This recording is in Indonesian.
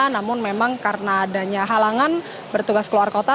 namun memang karena adanya halangan bertugas keluar kota